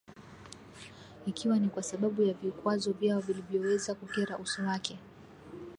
Ikiwa ni kwa sababu ya vikwazo vyao vilivyoweza kukera uso wake